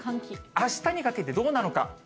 あしたにかけてどうなのか。